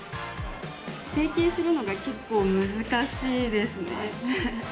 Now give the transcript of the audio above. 成形するのが結構、難しいですね。